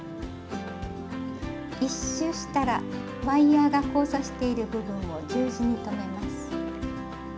１周したらワイヤーが交差している部分を十字に留めます。